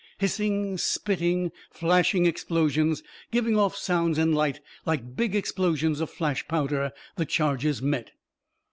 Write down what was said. Hissing, spitting, flashing explosions, giving off sounds and light like big explosions of flash powder, the charges met.